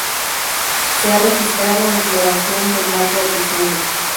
Se ha registrado en floración de mayo a diciembre.